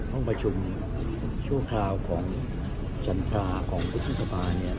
ห้องประชุมชั่วคราวของชันตราของพฤษภาพรรณ์เนี่ย